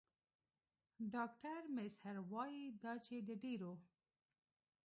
ډاکټر میزهر وايي دا چې د ډېرو